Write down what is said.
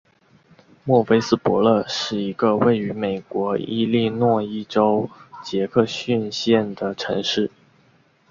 莫菲斯伯勒是一个位于美国伊利诺伊州杰克逊县的城市。